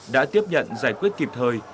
đã tiếp nhận giải quyết kịp thời